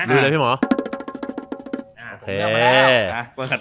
ผมเลือกมาแล้ว